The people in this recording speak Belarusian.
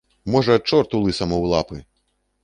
Можа чорту лысаму ў лапы!